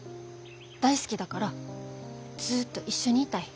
大好きだからずっと一緒にいたい。